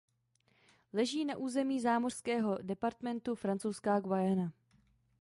Leží na území zámořského departementu Francouzská Guyana.